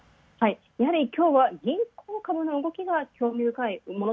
やはり、今日は銀行株の動きが、興味深い。